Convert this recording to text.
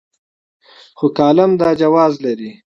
خو کالم دا جواز لري.